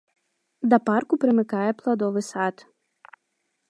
Да парку прымыкае пладовы сад.